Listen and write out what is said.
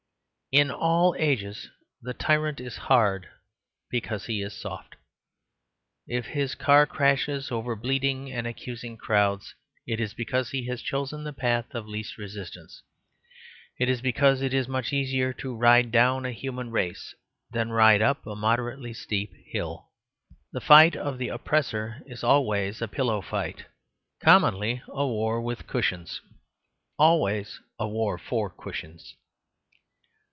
In all ages the tyrant is hard because he is soft. If his car crashes over bleeding and accusing crowds, it is because he has chosen the path of least resistance. It is because it is much easier to ride down a human race than ride up a moderately steep hill. The fight of the oppressor is always a pillow fight; commonly a war with cushions always a war for cushions.